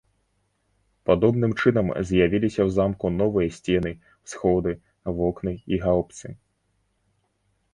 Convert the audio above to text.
Падобным чынам з'явіліся ў замку новыя сцены, усходы, вокны і гаўбцы.